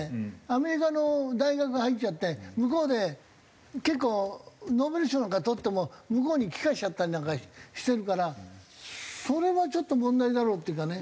アメリカの大学へ入っちゃって向こうで結構ノーベル賞なんかとっても向こうに帰化しちゃったりなんかしてるからそれはちょっと問題だろうっていうかね。